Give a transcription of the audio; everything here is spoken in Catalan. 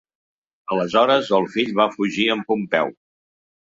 Aleshores, el fill va fugir amb Pompeu.